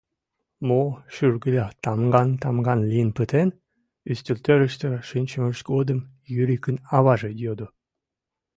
— Мо шӱргыда тамган-тамган лийын пытен? — ӱстелтӧрыштӧ шинчымышт годым Юрикын аваже йодо.